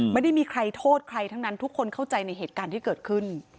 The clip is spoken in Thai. ไม่ได้มีใครโทษใครทั้งนั้นทุกคนเข้าใจในเหตุการณ์ที่เกิดขึ้น